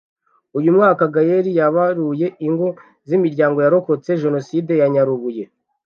uyu mwaka gaerg yabaruye ingo z’imiryango yarokotse jenoside ya nyarubuye